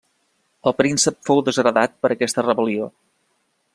El príncep fou desheretat per aquesta rebel·lió.